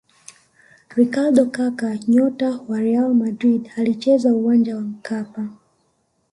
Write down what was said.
ricardo kaka nyota wa real madrid alicheza uwanja wa mkapa